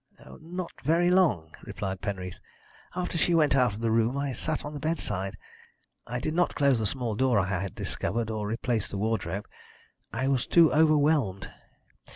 "Not very long," replied Penreath. "After she went out of the room I sat on the bedside. I did not close the small door I had discovered, or replace the wardrobe. I was too overwhelmed.